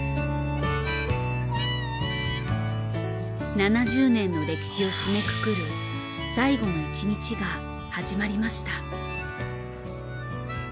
７０年の歴史を締めくくる最後の１日が始まりました。